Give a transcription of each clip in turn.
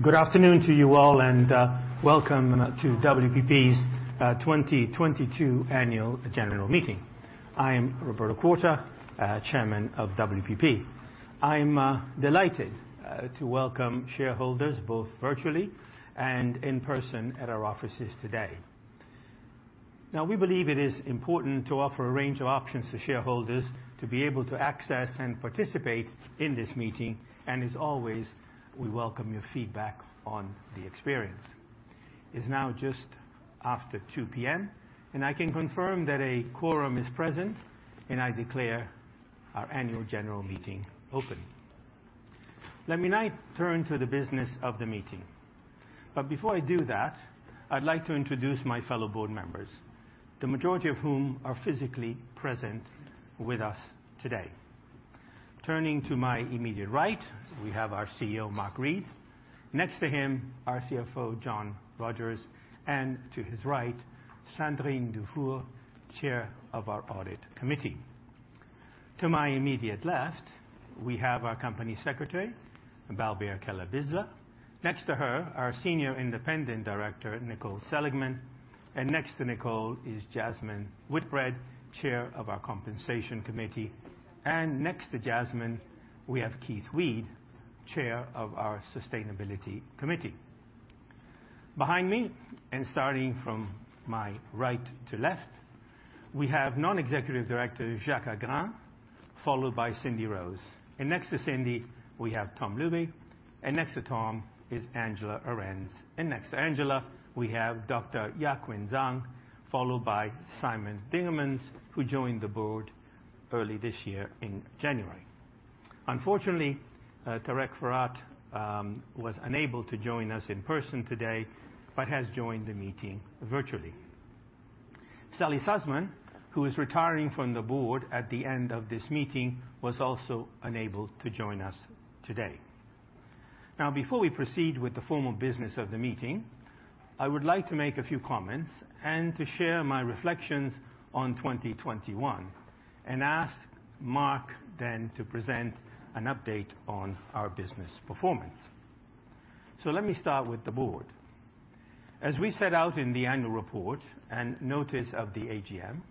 Good afternoon to you all, and welcome to WPP's 2022 annual general meeting. I am Roberto Quarta, Chairman of WPP. I'm delighted to welcome shareholders both virtually and in person at our offices today. Now, we believe it is important to offer a range of options to shareholders to be able to access and participate in this meeting. As always, we welcome your feedback on the experience. It's now just after 2 P.M., and I can confirm that a quorum is present, and I declare our annual general meeting open. Let me now turn to the business of the meeting. Before I do that, I'd like to introduce my fellow board members, the majority of whom are physically present with us today. Turning to my immediate right, we have our CEO, Mark Read. Next to him, our CFO, John Rogers, and to his right, Sandrine Dufour, Chair of our Audit Committee. To my immediate left, we have our Company Secretary, Balbir Kelly-Bisla. Next to her, our Senior Independent Director, Nicole Seligman. Next to Nicole is Jasmine Whitbread, Chair of our Compensation Committee. Next to Jasmine, we have Keith Weed, Chair of our Sustainability Committee. Behind me, and starting from my right to left, we have Non-Executive Director Jacques Aigrain, followed by Cindy Rose. Next to Cindy, we have Tom Ilube. Next to Tom is Angela Ahrendts. Next to Angela, we have Dr. Yaqin Zhang, followed by Simon Dingemans, who joined the board early this year in January. Unfortunately, Tarek Farahat was unable to join us in person today, but has joined the meeting virtually. Sally Susman, who is retiring from the board at the end of this meeting, was also unable to join us today. Now, before we proceed with the formal business of the meeting, I would like to make a few comments and to share my reflections on 2021 and ask Mark then to present an update on our business performance. Let me start with the board. As we set out in the annual report and notice of the AGM,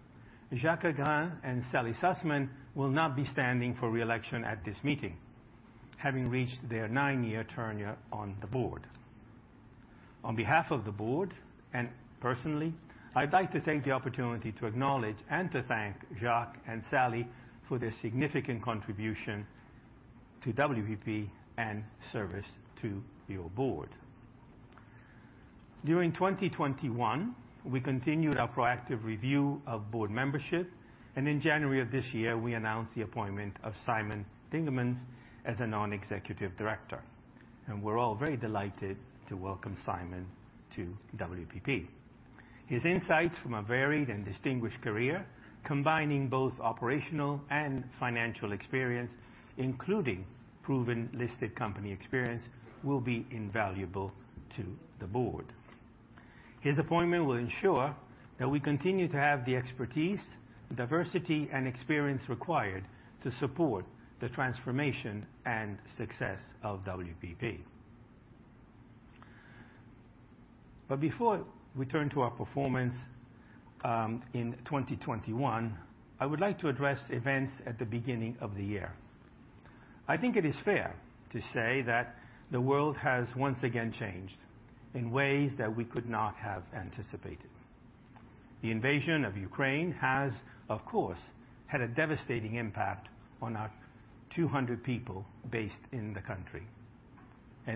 Jacques Aigrain and Sally Susman will not be standing for re-election at this meeting, having reached their 9-year tenure on the board. On behalf of the board, and personally, I'd like to take the opportunity to acknowledge and to thank Jacques and Sally for their significant contribution to WPP and service to your board. During 2021, we continued our proactive review of board membership, and in January of this year, we announced the appointment of Simon Dingemans as a Non-Executive Director. We're all very delighted to welcome Simon to WPP. His insights from a varied and distinguished career, combining both operational and financial experience, including proven listed company experience, will be invaluable to the board. His appointment will ensure that we continue to have the expertise, diversity, and experience required to support the transformation and success of WPP. Before we turn to our performance, in 2021, I would like to address events at the beginning of the year. I think it is fair to say that the world has once again changed in ways that we could not have anticipated. The invasion of Ukraine has, of course, had a devastating impact on our 200 people based in the country.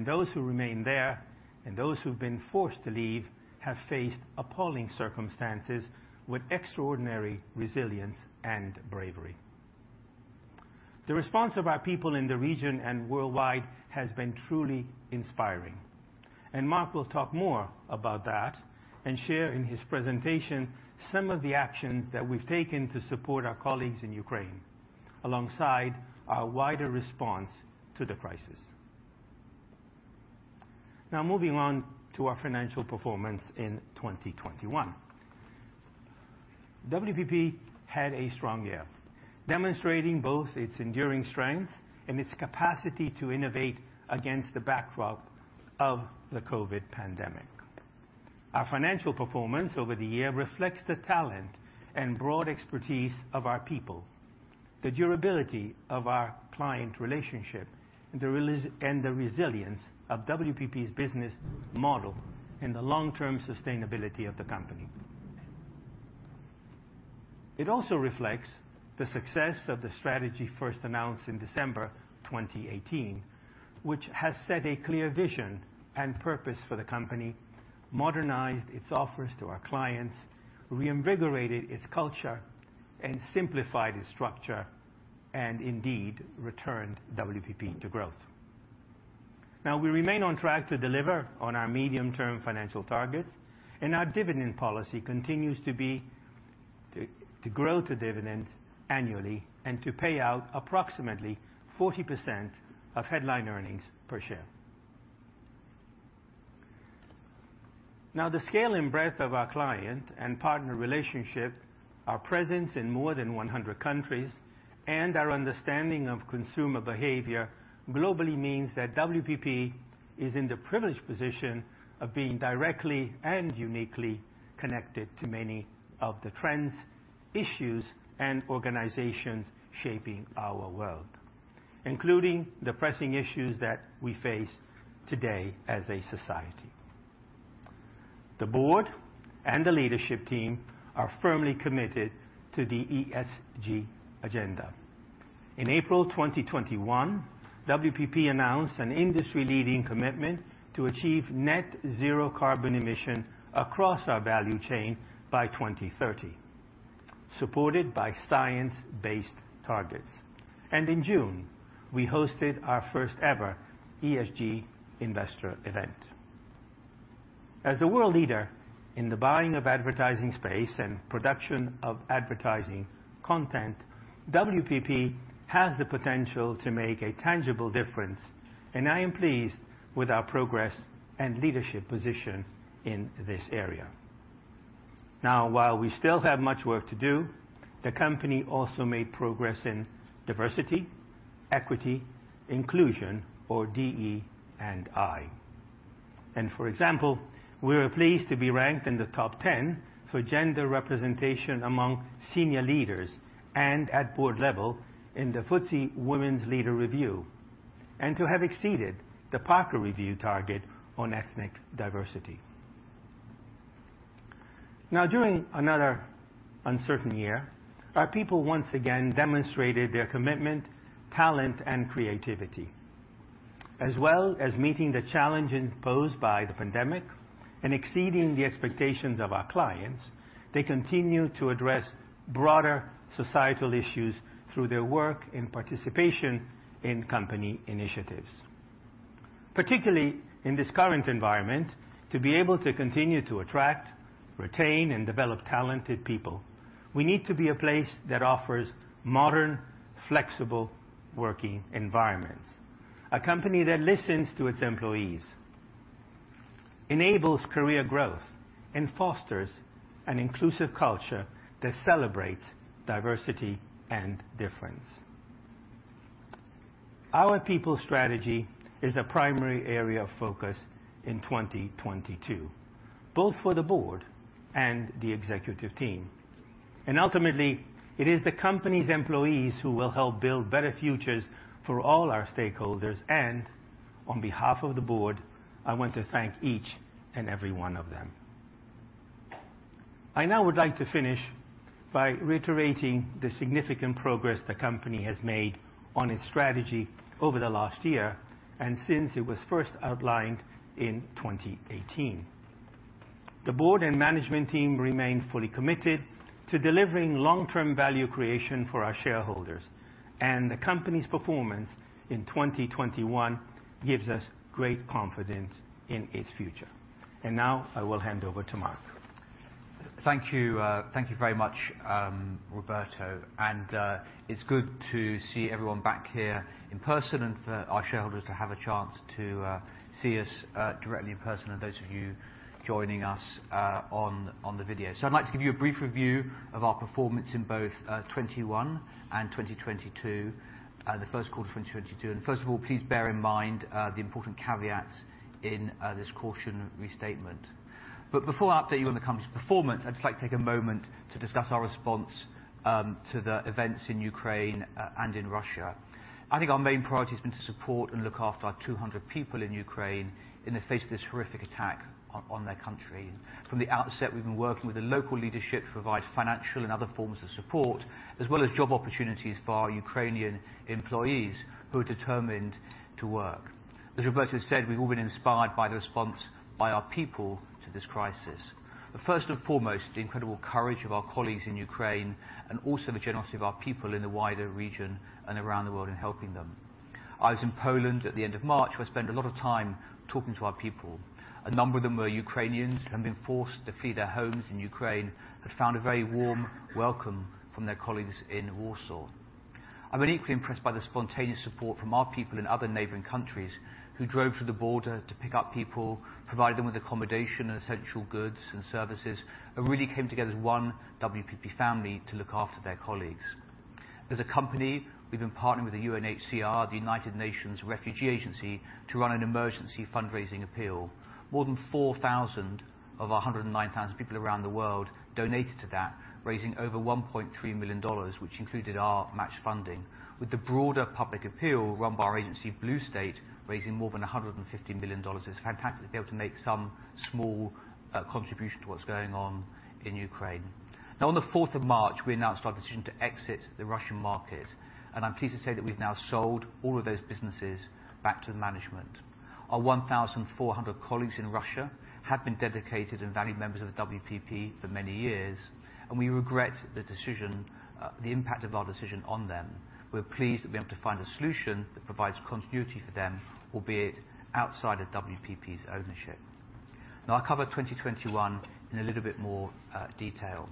Those who remain there and those who've been forced to leave have faced appalling circumstances with extraordinary resilience and bravery. The response of our people in the region and worldwide has been truly inspiring. Mark will talk more about that and share in his presentation some of the actions that we've taken to support our colleagues in Ukraine, alongside our wider response to the crisis. Now, moving on to our financial performance in 2021. WPP had a strong year, demonstrating both its enduring strengths and its capacity to innovate against the backdrop of the COVID pandemic. Our financial performance over the year reflects the talent and broad expertise of our people, the durability of our client relationship, and the resilience of WPP's business model and the long-term sustainability of the company. It also reflects the success of the strategy first announced in December 2018, which has set a clear vision and purpose for the company, modernized its offers to our clients, reinvigorated its culture, and simplified its structure, and indeed returned WPP to growth. Now, we remain on track to deliver on our medium-term financial targets, and our dividend policy continues to be to grow the dividend annually and to pay out approximately 40% of headline earnings per share. Now, the scale and breadth of our client and partner relationship, our presence in more than 100 countries, and our understanding of consumer behavior globally means that WPP is in the privileged position of being directly and uniquely connected to many of the trends, issues, and organizations shaping our world, including the pressing issues that we face today as a society. The board and the leadership team are firmly committed to the ESG agenda. In April 2021, WPP announced an industry leading commitment to achieve net zero carbon emission across our value chain by 2030, supported by science-based targets. In June, we hosted our first ever ESG investor event. As the world leader in the buying of advertising space and production of advertising content, WPP has the potential to make a tangible difference, and I am pleased with our progress and leadership position in this area. Now, while we still have much work to do, the company also made progress in diversity, equity, inclusion or DE&I. For example, we were pleased to be ranked in the top-ten for gender representation among senior leaders and at board level in the FTSE Women Leaders Review, and to have exceeded the Parker Review target on ethnic diversity. Now, during another uncertain year, our people once again demonstrated their commitment, talent, and creativity. As well as meeting the challenges posed by the pandemic and exceeding the expectations of our clients, they continue to address broader societal issues through their work and participation in company initiatives. Particularly in this current environment, to be able to continue to attract, retain, and develop talented people, we need to be a place that offers modern, flexible working environments. A company that listens to its employees, enables career growth, and fosters an inclusive culture that celebrates diversity and difference. Our people strategy is a primary area of focus in 2022, both for the board and the executive team, and ultimately it is the company's employees who will help build better futures for all our stakeholders, and on behalf of the board, I want to thank each and every one of them. I now would like to finish by reiterating the significant progress the company has made on its strategy over the last year and since it was first outlined in 2018. The board and management team remain fully committed to delivering long-term value creation for our shareholders, and the company's performance in 2021 gives us great confidence in its future. Now I will hand over to Mark. Thank you. Thank you very much, Roberto. It's good to see everyone back here in person and for our shareholders to have a chance to see us directly in person, and those of you joining us on the video. I'd like to give you a brief review of our performance in both 2021 and 2022, the Q1 2022. First of all, please bear in mind the important caveats in this caution restatement. Before I update you on the company's performance, I'd just like to take a moment to discuss our response to the events in Ukraine and in Russia. I think our main priority has been to support and look after our 200 people in Ukraine in the face of this horrific attack on their country. From the outset, we've been working with the local leadership to provide financial and other forms of support, as well as job opportunities for our Ukrainian employees who are determined to work. As Roberto said, we've all been inspired by the response by our people to this crisis. First and foremost, the incredible courage of our colleagues in Ukraine, and also the generosity of our people in the wider region and around the world in helping them. I was in Poland at the end of March, where I spent a lot of time talking to our people. A number of them were Ukrainians who had been forced to flee their homes in Ukraine, but found a very warm welcome from their colleagues in Warsaw. I've been equally impressed by the spontaneous support from our people in other neighboring countries who drove to the border to pick up people, provided them with accommodation and essential goods and services, and really came together as one WPP family to look after their colleagues. As a company, we've been partnering with the UNHCR, the United Nations Refugee Agency, to run an emergency fundraising appeal. More than 4,000 of our 109,000 people around the world donated to that, raising over $1.3 million, which included our matched funding. With the broader public appeal run by our agency, Blue State, raising more than $150 million, it's fantastic to be able to make some small contribution to what's going on in Ukraine. Now, on the fourth of March, we announced our decision to exit the Russian market, and I'm pleased to say that we've now sold all of those businesses back to the management. Our 1,400 colleagues in Russia have been dedicated and valued members of WPP for many years, and we regret the decision, the impact of our decision on them. We're pleased to be able to find a solution that provides continuity for them, albeit outside of WPP's ownership. Now, I'll cover 2021 in a little bit more detail.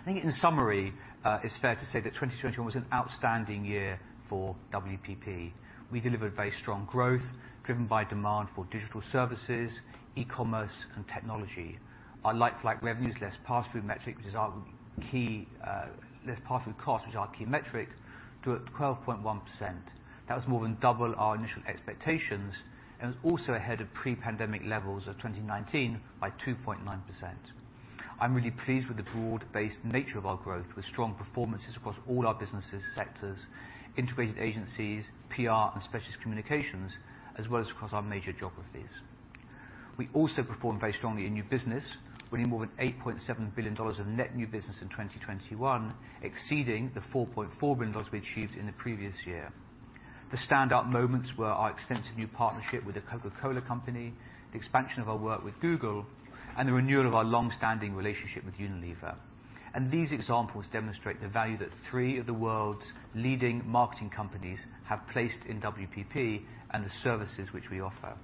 I think in summary, it's fair to say that 2021 was an outstanding year for WPP. We delivered very strong growth driven by demand for digital services, e-commerce and technology. Our like-for-like revenue less pass-through costs, which is our key metric, grew at 12.1%. That was more than double our initial expectations and was also ahead of pre-pandemic levels of 2019 by 2.9%. I'm really pleased with the broad-based nature of our growth, with strong performances across all our business sectors, integrated agencies, PR and specialist communications, as well as across our major geographies. We also performed very strongly in new business, winning more than $8.7 billion of net new business in 2021, exceeding the $4.4 billion we achieved in the previous year. The standout moments were our extensive new partnership with The Coca-Cola Company, the expansion of our work with Google, and the renewal of our long-standing relationship with Unilever. These examples demonstrate the value that three of the world's leading marketing companies have placed in WPP and the services which we offer.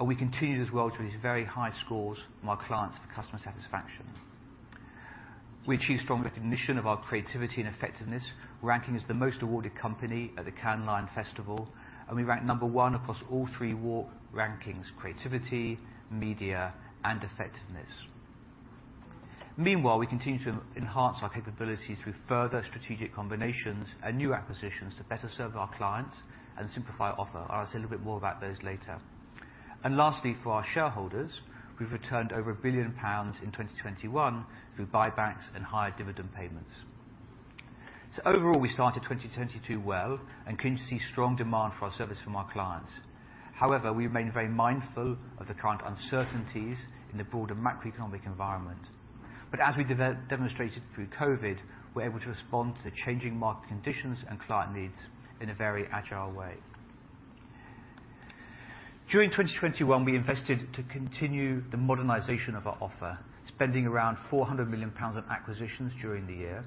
We continue as well to receive these very high scores from our clients for customer satisfaction. We achieved strong recognition of our creativity and effectiveness, ranking as the most awarded company at the Cannes Lions Festival, and we ranked number 1 across all three award rankings, creativity, media, and effectiveness. Meanwhile, we continue to enhance our capabilities through further strategic combinations and new acquisitions to better serve our clients and simplify our offer. I'll say a little bit more about those later. Lastly, for our shareholders, we've returned over 1 billion pounds in 2021 through buybacks and higher-dividend payments. Overall, we started 2022 well and continue to see strong demand for our service from our clients. However, we remain very mindful of the current uncertainties in the broader macroeconomic environment. As we demonstrated through COVID, we're able to respond to the changing market conditions and client needs in a very agile way. During 2021, we invested to continue the modernization of our offer, spending around 400 million pounds on acquisitions during the year.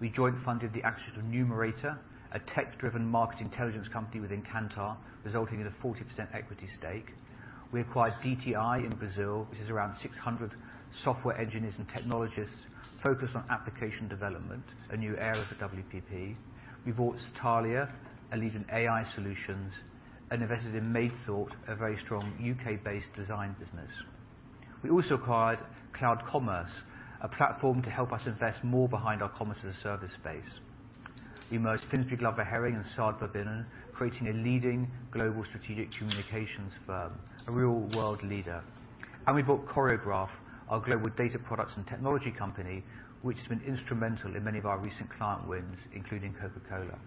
We joint funded the acquisition of Numerator, a tech-driven market intelligence company within Kantar, resulting in a 40% equity stake. We acquired DTI Digital in Brazil, which is around 600 software engineers and technologists focused on application development, a new area for WPP. We bought Satalia, a leading AI solutions, and invested in Made Thought, a very strong UK-based design business. We also acquired Cloud Commerce Group, a platform to help us invest more behind our commerce as a service space. We merged Finsbury Glover Hering and Sard Verbinnen & Co, creating a leading global strategic communications firm, a real world leader. We bought Choreograph, our global data products and technology company, which has been instrumental in many of our recent client wins, including Coca-Cola.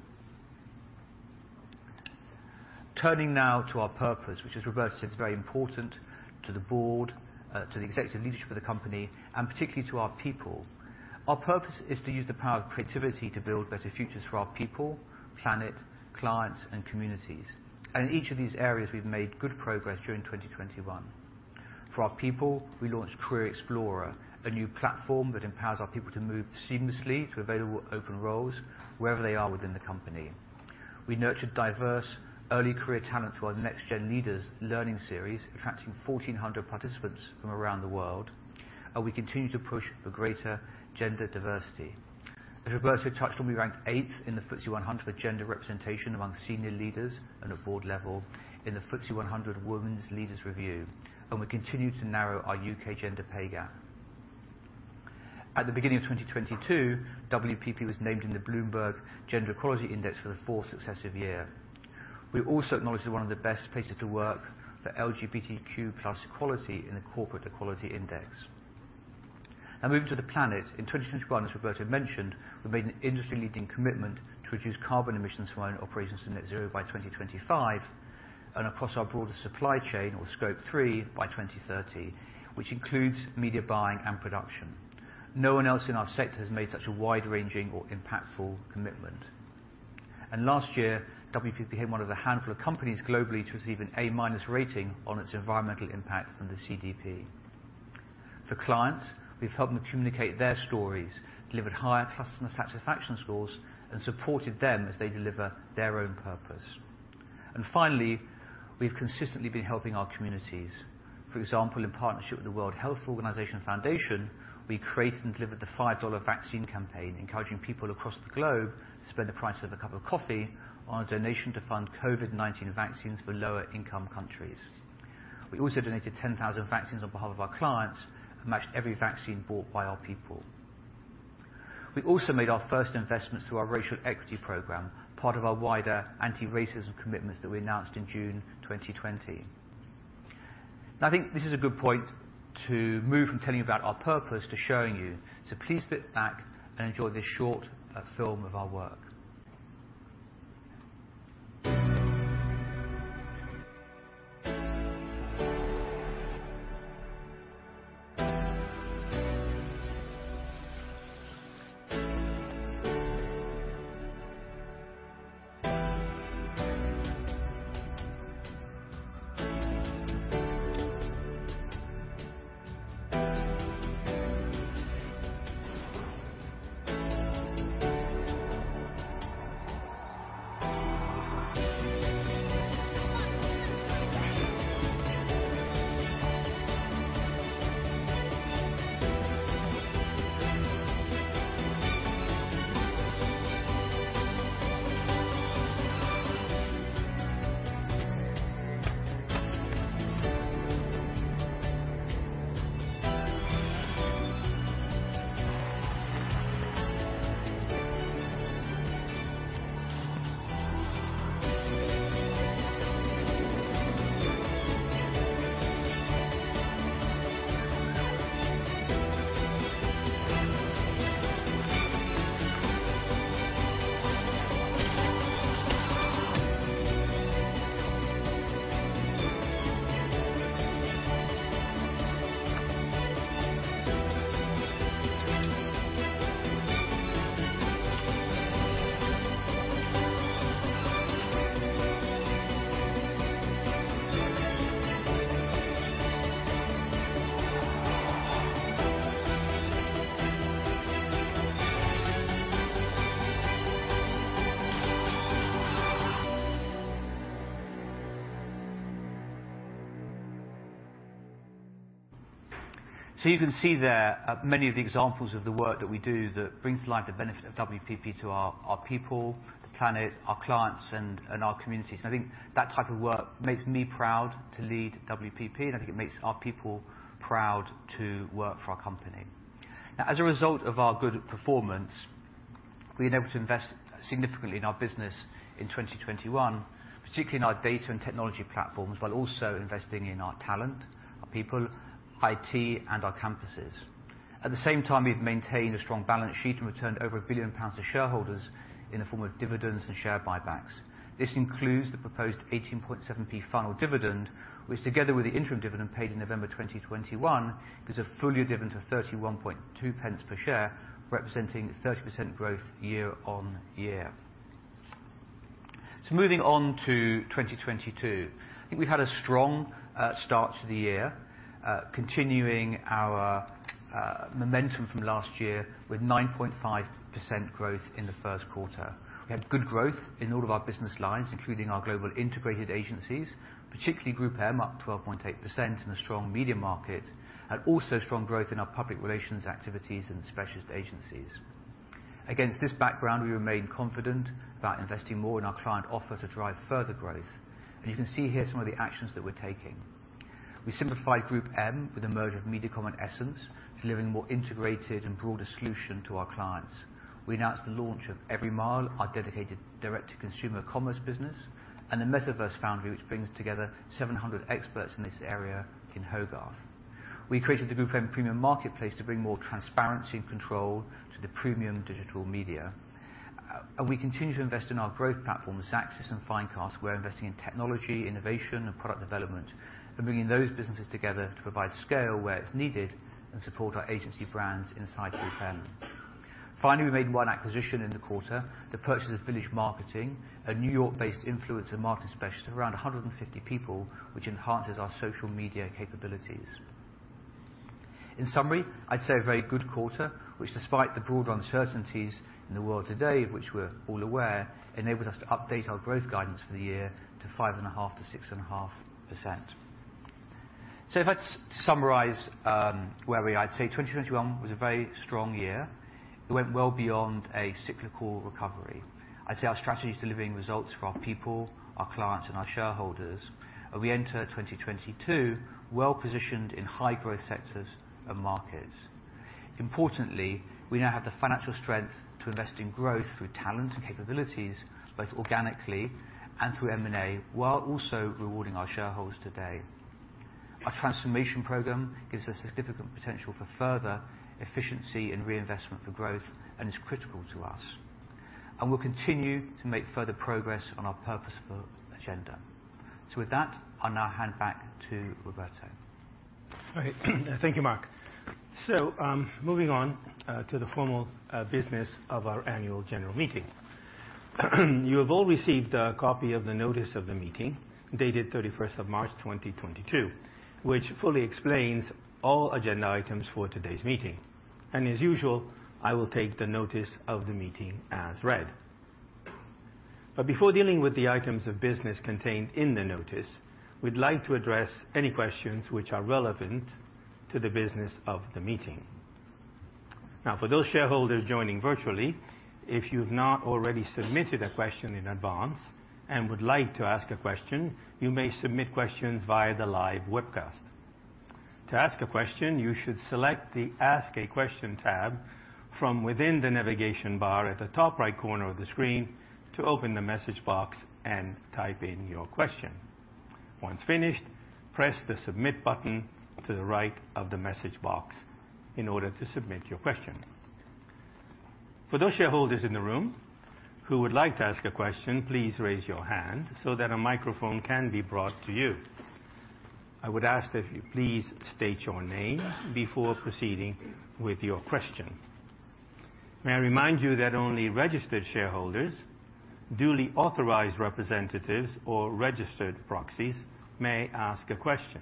Turning now to our purpose, which as Roberto said, is very important to the board, to the executive leadership of the company, and particularly to our people. Our purpose is to use the power of creativity to build better futures for our people, planet, clients, and communities. In each of these areas, we've made good progress during 2021. For our people, we launched Career Explorer, a new platform that empowers our people to move seamlessly to available open roles wherever they are within the company. We nurtured diverse early career talent through our NextGen Leaders learning series, attracting 1,400 participants from around the world, and we continue to push for greater gender diversity. As Roberto touched on, we ranked 8th in the FTSE 100 for gender representation among senior leaders at a board level in the FTSE Women Leaders Review, and we continue to narrow our UK gender pay gap. At the beginning of 2022, WPP was named in the Bloomberg Gender-Equality Index for the 4th successive year. We were also acknowledged as one of the best places to work for LGBTQ+ equality in the Corporate Equality Index. Now moving to the planet. In 2021, as Roberto mentioned, we made an industry leading commitment to reduce carbon emissions from our own operations to net zero by 2025, and across our broader supply chain or Scope 3 by 2030, which includes media buying and production. No one else in our sector has made such a wide-ranging or impactful commitment. Last year, WPP became one of the handful of companies globally to receive an A-minus rating on its environmental impact from the CDP. For clients, we've helped them communicate their stories, delivered higher customer satisfaction scores, and supported them as they deliver their own purpose. Finally, we've consistently been helping our communities. For example, in partnership with the World Health Organization Foundation, we created and delivered the Five Dollar Vaccine campaign, encouraging people across the globe to spend the price of a cup of coffee on a donation to fund COVID-19 vaccines for lower-income countries. We also donated 10,000 vaccines on behalf of our clients and matched every vaccine bought by our people. We also made our first investment through our racial equity program, part of our wider anti-racism commitments that we announced in June 2020. Now, I think this is a good point to move from telling you about our purpose to showing you, so please sit back and enjoy this short film of our work. You can see there many of the examples of the work that we do that brings to life the benefit of WPP to our people, the planet, our clients, and our communities. I think that type of work makes me proud to lead WPP, and I think it makes our people proud to work for our company. Now, as a result of our good performance, we've been able to invest significantly in our business in 2021, particularly in our data and technology platforms, while also investing in our talent, our people, IT, and our campuses. At the same time, we've maintained a strong balance sheet and returned over 1 billion pounds to shareholders in the form of dividends and share buybacks. This includes the proposed 18.7p final dividend, which, together with the interim dividend paid in November 2021, gives a full-year dividend of 31.2 pence per share, representing 30% growth year-on-year. Moving on to 2022. I think we've had a strong start to the year, continuing our momentum from last year with 9.5% growth in the Q1. We had good growth in all of our business lines, including our global integrated agencies, particularly GroupM, up 12.8% in a strong media market, and also strong growth in our public relations activities and specialist agencies. Against this background, we remain confident about investing more in our client offer to drive further growth. You can see here some of the actions that we're taking. We simplified GroupM with the merger of MediaCom and Essence, delivering a more integrated and broader solution to our clients. We announced the launch of Everymile, our dedicated direct-to-consumer commerce business, and the Metaverse Foundry, which brings together 700 experts in this area in Hogarth. We created the GroupM Premium Marketplace to bring more transparency and control to the premium digital media. We continue to invest in our growth platforms, Xaxis and Finecast. We're investing in technology, innovation, and product development. We're bringing those businesses together to provide scale where it's needed and support our agency brands inside GroupM. Finally, we made one acquisition in the quarter, the purchase of Village Marketing, a New York-based influencer marketing specialist of around 150 people, which enhances our social media capabilities. In summary, I'd say a very good quarter, which despite the broader uncertainties in the world today, which we're all aware, enables us to update our growth guidance for the year to 5.5%-6.5%. If I just summarize where we are, I'd say 2021 was a very strong year. It went well beyond a cyclical recovery. I'd say our strategy is delivering results for our people, our clients, and our shareholders. We enter 2022 well-positioned in high-growth sectors and markets. Importantly, we now have the financial strength to invest in growth through talent and capabilities, both organically and through M&A, while also rewarding our shareholders today. Our transformation program gives us significant potential for further efficiency and reinvestment for growth and is critical to us. We'll continue to make further progress on our purposeful agenda. With that, I'll now hand back to Roberto Quarta. All right. Thank you, Mark. Moving on to the formal business of our annual general meeting. You have all received a copy of the notice of the meeting dated 31st of March 2022, which fully explains all agenda items for today's meeting. As usual, I will take the notice of the meeting as read. Before dealing with the items of business contained in the notice, we'd like to address any questions which are relevant to the business of the meeting. Now, for those shareholders joining virtually, if you've not already submitted a question in advance and would like to ask a question, you may submit questions via the live webcast. To ask a question, you should select the Ask a Question tab from within the navigation bar at the top right corner of the screen to open the message box and type in your question. Once finished, press the Submit button to the right of the message box in order to submit your question. For those shareholders in the room who would like to ask a question, please raise your hand so that a microphone can be brought to you. I would ask that you please state your name before proceeding with your question. May I remind you that only registered shareholders, duly authorized representatives, or registered proxies may ask a question.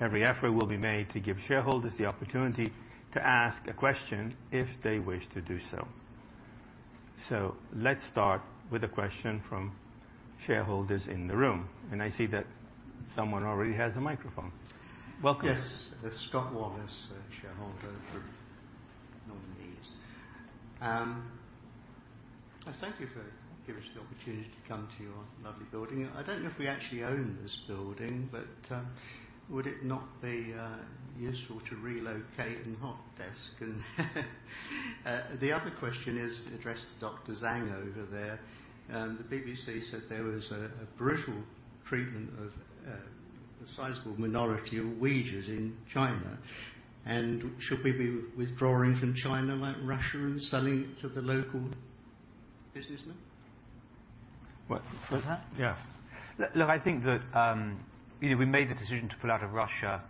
Every effort will be made to give shareholders the opportunity to ask a question if they wish to do so. Let's start with a question from shareholders in the room, and I see that someone already has a microphone. Welcome. Yes. Scott Wallace, shareholder. I thank you for giving us the opportunity to come to your lovely building. I don't know if we actually own this building, but would it not be useful to relocate and hot desk? The other question is addressed to Dr. Yaqin Zhang over there. The BBC said there was a brutal treatment of a sizable minority of Uyghurs in China. Should we be withdrawing from China like Russia and selling to the local businessmen? What's that? Yeah. Look, I think that, you know, we made the decision to pull out of Russia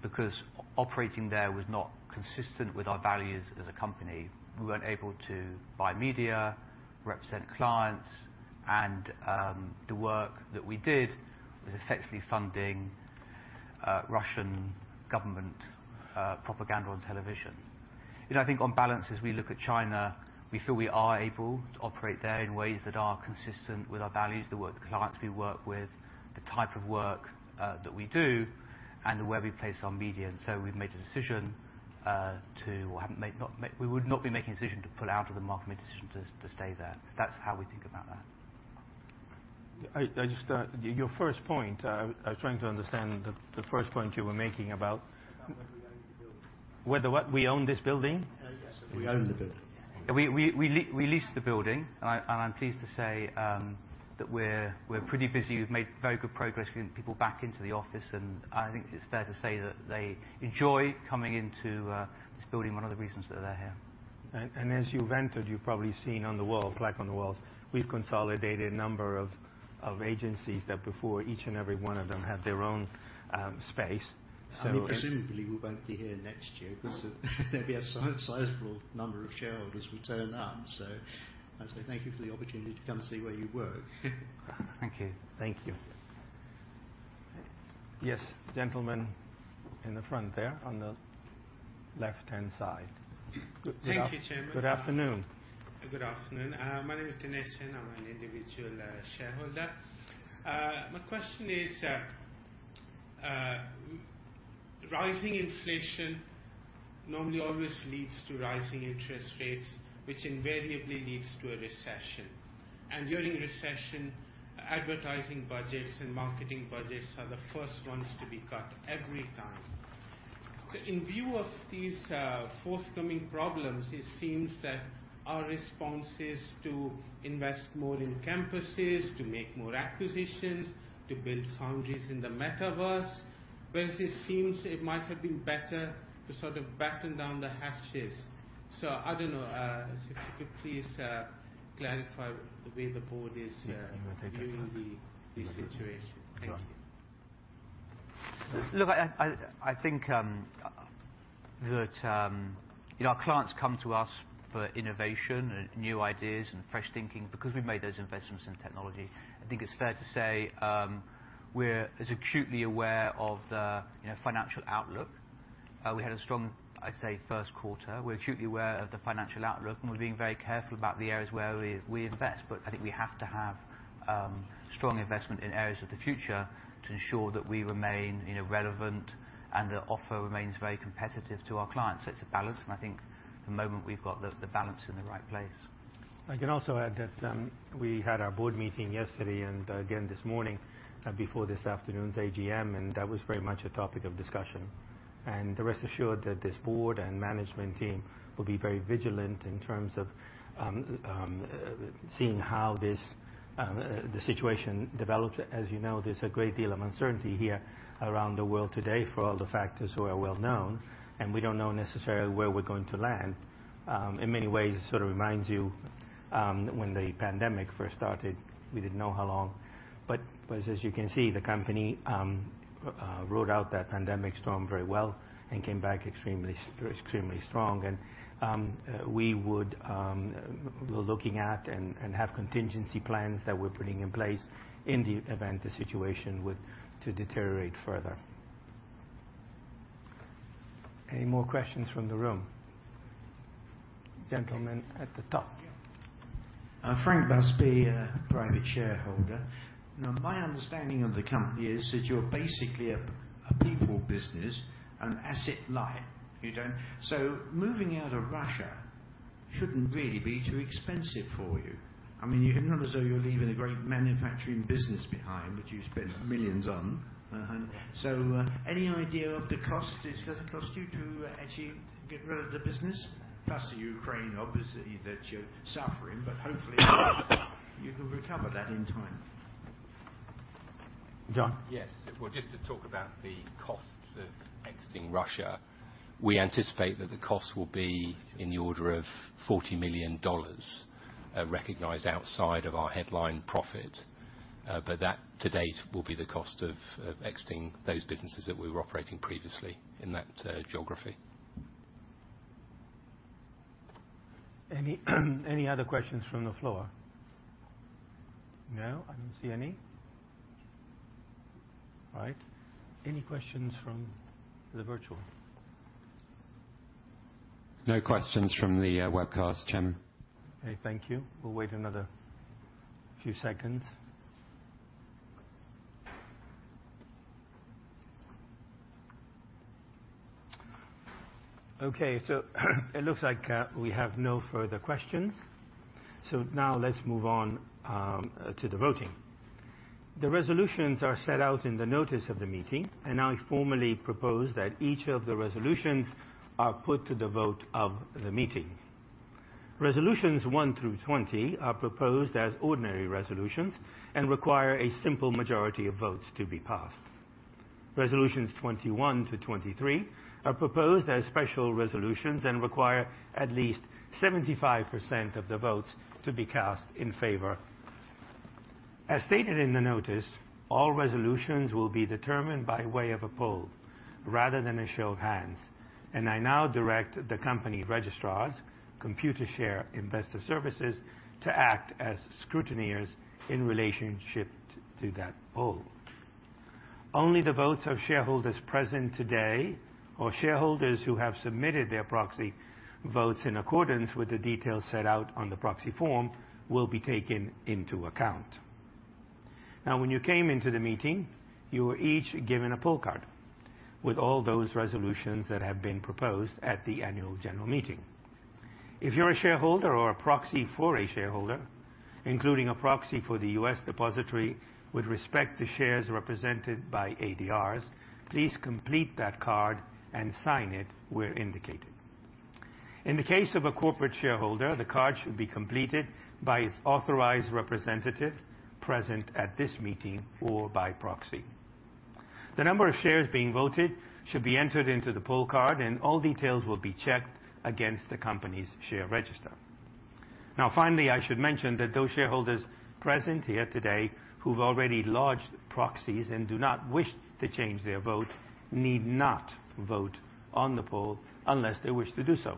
because operating there was not consistent with our values as a company. We weren't able to buy media, represent clients, and the work that we did was effectively funding Russian government propaganda on television. You know, I think on balance, as we look at China, we feel we are able to operate there in ways that are consistent with our values, the work, the clients we work with, the type of work that we do and where we place our media. We've made a decision. We would not be making a decision to pull out of the market. We made a decision to stay there. That's how we think about that. I just, your first point, I was trying to understand the first point you were making about. About whether we own the building. Whether what? We own this building? Yes. If we own the building. We lease the building. I'm pleased to say that we're pretty busy. We've made very good progress getting people back into the office, and I think it's fair to say that they enjoy coming into this building, one of the reasons that they're here. As you've entered, you've probably seen on the wall, plaque on the walls. We've consolidated a number of agencies that before each and every one of them had their own space. I mean, presumably we won't be here next year 'cause maybe a sizable number of shareholders will turn up. I say thank you for the opportunity to come see where you work. Thank you. Yes, gentleman in the front there on the left-hand side. Good. Thank you, Chairman. Good afternoon. Good afternoon. My name is Dinesh Chen. I'm an individual shareholder. My question is, rising inflation normally always leads to rising interest rates, which invariably leads to a recession. During recession, advertising budgets and marketing budgets are the first ones to be cut every time. In view of these forthcoming problems, it seems that our response is to invest more in campuses, to make more acquisitions, to build foundries in the metaverse. Whereas it seems it might have been better to sort of batten down the hatches. I don't know. If you could please clarify the way the board is viewing the situation. Thank you. John. Look, I think that, you know, our clients come to us for innovation and new ideas and fresh thinking because we've made those investments in technology. I think it's fair to say we're as acutely aware of the, you know, financial outlook. We had a strong, I'd say, Q1. We're acutely aware of the financial outlook, and we're being very careful about the areas where we invest. I think we have to have strong investment in areas of the future to ensure that we remain, you know, relevant and the offer remains very competitive to our clients. It's a balance, and I think at the moment we've got the balance in the right place. I can also add that we had our board meeting yesterday and again this morning before this afternoon's AGM, and that was very much a topic of discussion. Rest assured that this board and management team will be very vigilant in terms of seeing how the situation develops. As you know, there's a great deal of uncertainty here around the world today for all the factors who are well known, and we don't know necessarily where we're going to land. In many ways, it sort of reminds you when the pandemic first started, we didn't know how long. As you can see, the company rode out that pandemic storm very well and came back extremely strong. We would We're looking at and have contingency plans that we're putting in place in the event the situation were to deteriorate further. Any more questions from the room? Gentleman at the top. Yeah. Frank Busby, Private Shareholder. Now, my understanding of the company is that you're basically a people business, an asset light. Moving out of Russia shouldn't really be too expensive for you. I mean, you're not as though you're leaving a great manufacturing business behind, which you spent millions on. Any idea of the cost this does cost you to actually get rid of the business? Plus the Ukraine, obviously, that you're suffering, but hopefully you can recover that in time. John? Yes. Well, just to talk about the costs of exiting Russia, we anticipate that the cost will be in the order of $40 million, recognized outside of our headline profit. But that to date will be the cost of exiting those businesses that we were operating previously in that geography. Any other questions from the floor? No, I don't see any. All right. Any questions from the virtual? No questions from the webcast, Tim. Okay, thank you. We'll wait another few seconds. Okay, so it looks like we have no further questions. Now let's move on to the voting. The resolutions are set out in the notice of the meeting, and I formally propose that each of the resolutions are put to the vote of the meeting. Resolutions 1 through 20 are proposed as ordinary resolutions and require a simple majority of votes to be passed. Resolutions 21 to 23 are proposed as special resolutions and require at least 75% of the votes to be cast in favor. As stated in the notice, all resolutions will be determined by way of a poll rather than a show of hands, and I now direct the company registrars, Computershare Investor Services, to act as scrutineers in relationship to that poll. Only the votes of shareholders present today or shareholders who have submitted their proxy votes in accordance with the details set out on the proxy form will be taken into account. Now when you came into the meeting, you were each given a poll card with all those resolutions that have been proposed at the annual general meeting. If you're a shareholder or a proxy for a shareholder, including a proxy for the U.S. depository with respect to shares represented by ADRs, please complete that card and sign it where indicated. In the case of a corporate shareholder, the card should be completed by its authorized representative present at this meeting or by proxy. The number of shares being voted should be entered into the poll card, and all details will be checked against the company's share register. Now finally, I should mention that those shareholders present here today who've already lodged proxies and do not wish to change their vote need not vote on the poll unless they wish to do so.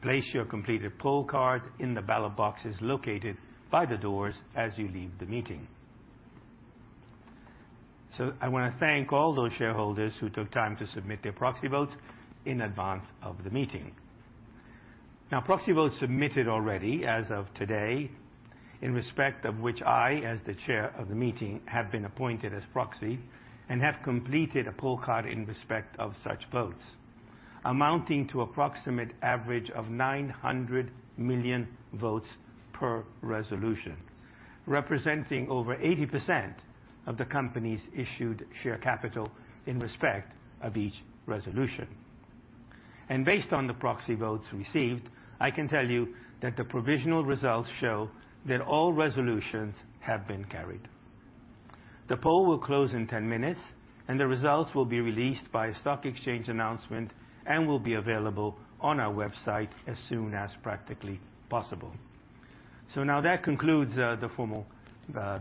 Place your completed poll card in the ballot boxes located by the doors as you leave the meeting. I wanna thank all those shareholders who took time to submit their proxy votes in advance of the meeting. Now proxy votes submitted already as of today in respect of which I, as the chair of the meeting, have been appointed as proxy and have completed a poll card in respect of such votes amounting to approximate average of 900 million votes per resolution, representing over 80% of the company's issued share capital in respect of each resolution. Based on the proxy votes received, I can tell you that the provisional results show that all resolutions have been carried. The poll will close in 10 minutes, and the results will be released by stock exchange announcement and will be available on our website as soon as practically possible. Now that concludes the formal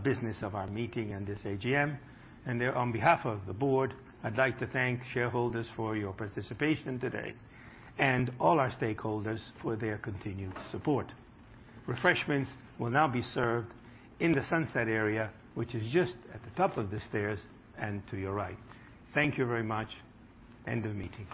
business of our meeting and this AGM, and on behalf of the board, I'd like to thank shareholders for your participation today and all our stakeholders for their continued support. Refreshments will now be served in the sunset area, which is just at the top of the stairs and to your right. Thank you very much. End of the meeting.